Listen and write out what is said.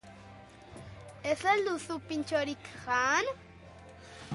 Ez al duzu pintxorik jan?